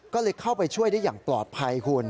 ก็เลยเข้าไปช่วยได้อย่างปลอดภัยคุณ